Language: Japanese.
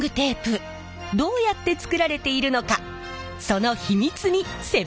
どうやって作られているのかその秘密に迫りましょう！